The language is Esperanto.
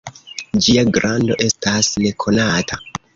Ĝia grando estas nekonata.